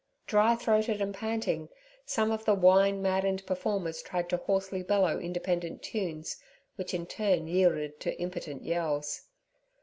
Dry throated and panting, some of the wine maddened performers tried to hoarsely bellow independent tunes, which in turn yielded to impotent yells.